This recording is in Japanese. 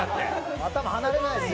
頭、離れないですよ。